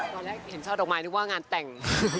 ตอนแรกเห็นช่อดอกไม้นึกว่างานแต่ง